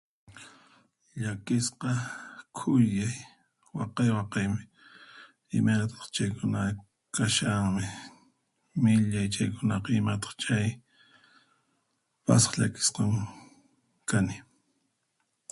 Llakisqa khuyay waqay waqaymi imaynataq chaykunari kashanmi, millay chaykunapi imataq chay, pasaq llakisqan kani.